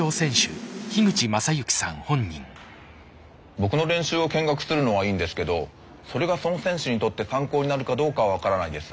僕の練習を見学するのはいいんですけどそれがその選手にとって参考になるかどうかは分からないです。